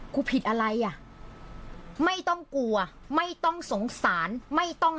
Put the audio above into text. ผิดอะไรอ่ะไม่ต้องกลัวไม่ต้องสงสารไม่ต้อง